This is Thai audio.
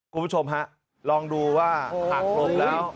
คุณผู้ชมฮะลองดูว่าหากหลบแล้ว